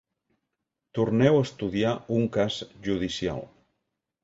Torneu a estudiar un cas judicial.